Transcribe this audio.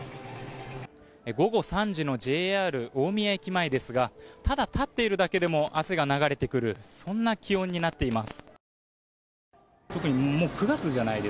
午後３時のＪＲ大宮駅前ですがただ立っているだけでも汗が流れてくる気温になっています。